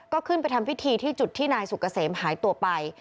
ก็ขึ้นไปทำพิธีที่จุดที่นายสุกเกษมหายตัวไป